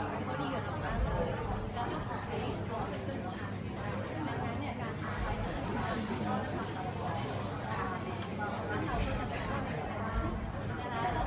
อันนี้มันเป็นข่าวใหญ่ขับใจนิดหนึ่งเลยเนี่ยซึ่งเราก็จะทำแบบนี้นะครับ